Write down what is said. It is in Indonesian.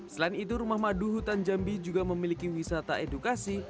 selain itu rumah madu hutan jambi juga memiliki wisata edukasi